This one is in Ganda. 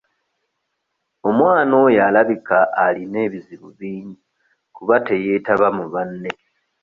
Omwana oyo alabika alina ebizibu bingi kuba teyeetaba mu banne.